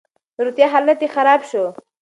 د روغتيا حالت يې خراب شو.